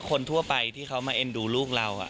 คนทั่วไปที่เขามาเอ็นดูลูกเรา